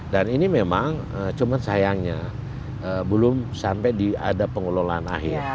dan ini memang cuma sayangnya belum sampai di ada pengelolaan akhir